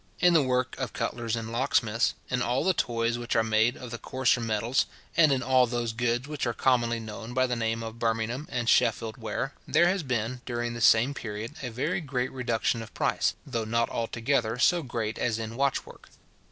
In the work of cutlers and locksmiths, in all the toys which are made of the coarser metals, and in all those goods which are commonly known by the name of Birmingham and Sheffield ware, there has been, during the same period, a very great reduction of price, though not altogether so great as in watch work.